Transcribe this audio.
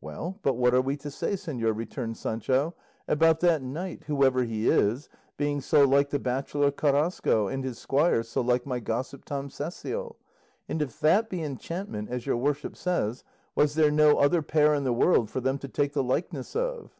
"Well, but what are we to say, señor," returned Sancho, "about that knight, whoever he is, being so like the bachelor Carrasco, and his squire so like my gossip, Tom Cecial? And if that be enchantment, as your worship says, was there no other pair in the world for them to take the likeness of?"